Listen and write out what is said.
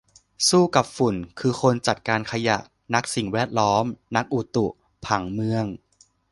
สู้กับฝุ่น คือคนจัดการขยะ นักสิ่งแวดล้อม นักอุตุ ผังเมือง